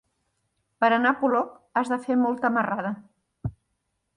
Per anar a Polop has de fer molta marrada.